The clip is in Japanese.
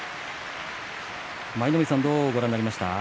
舞の海さんはどうご覧になりましたか。